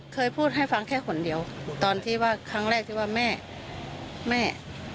เคยพูดให้ฟังแค่คนเดียวตอนที่ว่าของแม่แม่